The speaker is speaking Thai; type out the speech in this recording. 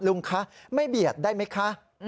ลุงคะไม่เบียดได้ไหมคะ